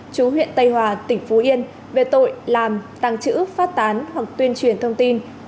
chú huyện tây hòa tỉnh phú yên về tội làm tăng chữ phát tán hoặc tuyên truyền thông tin